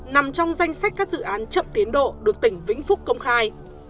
nằm trong danh sách các dự án chậm tiến độ được tỉnh vĩnh phúc công khai